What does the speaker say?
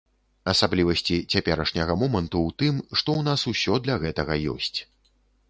Асаблівасці цяперашняга моманту ў тым, што ў нас ўсё для гэтага ёсць.